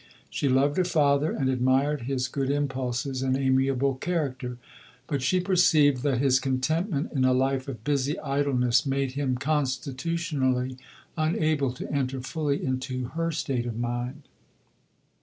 She loved her father, and admired his good impulses and amiable character. But she perceived that his contentment in a life of busy idleness made him constitutionally unable to enter fully into her state of mind.